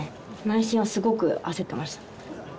内心はすごく焦ってました